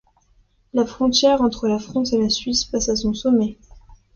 La frontière entre la France et la Suisse passe à son sommet.